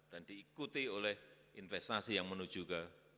dan diikuti oleh investasi yang menuju ke